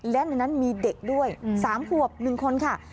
และในนั้นมีเด็กด้วยสามผวบหนึ่งคนค่ะ